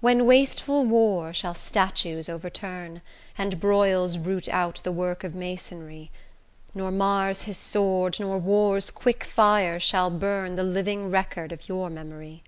When wasteful war shall statues overturn, And broils root out the work of masonry, Nor Mars his sword, nor war's quick fire shall burn The living record of your memory.